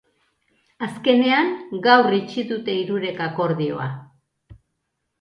Azkenean, gaur itxi dute hirurek akordioa.